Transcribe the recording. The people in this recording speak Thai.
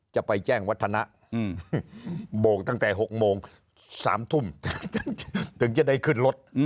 จะไปแจ้งวัฒนะโบกตั้งแต่๖โมง๓ทุ่มถึงจะได้ขึ้นรถ